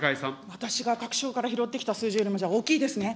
私が各省から拾ってきた数字よりもじゃあ、大きいですね。